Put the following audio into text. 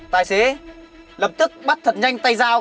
tài xế lập tức bắt thật nhanh tay dao